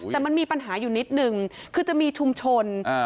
แต่มันมีปัญหาอยู่นิดนึงคือจะมีชุมชน